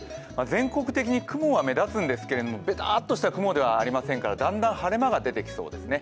全国的に雲は目立つんですけどベターッとした雲ではありませんからだんだん晴れ間が出てきそうですね。